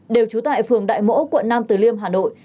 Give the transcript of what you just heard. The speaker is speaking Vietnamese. đều trú tại phường đại mỗ quận nam từ liêm hà nội